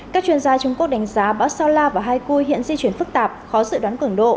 các chuyên gia trung quốc đánh giá bão sao la và hai cui hiện di chuyển phức tạp khó dự đoán cường độ